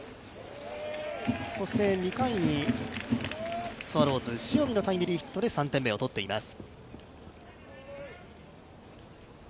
２回にスワローズ、塩見のタイムリーで３点目を取っています。